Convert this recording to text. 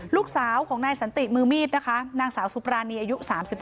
ลูกสาวของนายสันติมือมีดนะคะนางสาวสุปรานีอายุ๓๕